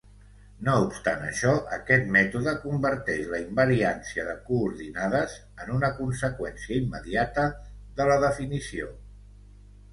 No obstant això, aquest mètode converteix la invariància de coordinades en una conseqüència immediata de la definició.